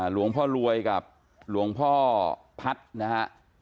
หลวงพ่อรวยกับหลวงพ่อพัฒน์นะฮะ